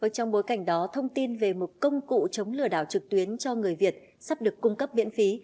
trong bối cảnh đó thông tin về một công cụ chống lừa đảo trực tuyến cho người việt sắp được cung cấp miễn phí